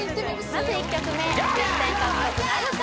まず１曲目１０点獲得なるか？